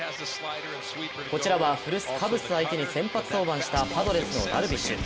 こちらは古巣カブス相手に先発登板したパドレスのダルビッシュ。